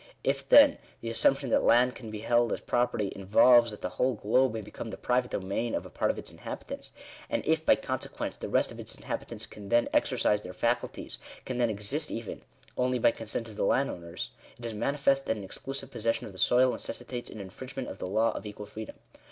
I£ then, the assumption that land can be held as property, involves that the whole globe may become the private domain of a part of its inhabitants ; and if, by consequence, the rest of its inhabitants can then exercise their faculties — can then exist even — only by consent of the landowners ; it is manifest, that an exclusive possession of the soil necessitates an infringement of the law of equal freedom.